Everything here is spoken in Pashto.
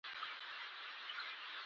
د ستنو د درولو وخت زموږ په یاد نه دی.